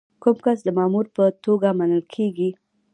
کوم کس د مامور په توګه منل کیږي؟